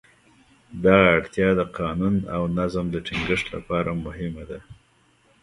دغه اړتیا د قانون او نظم د ټینګښت لپاره مهمه ده.